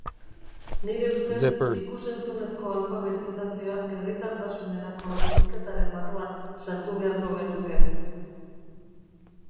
Nire ustez, ikus-entzunezko alfabetizazioa herritartasunerako heziketaren barruan sartu beharko genuke.